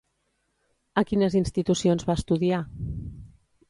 A quines institucions va estudiar?